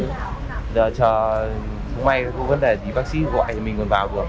bây giờ không may có vấn đề gì bác sĩ gọi thì mình còn vào được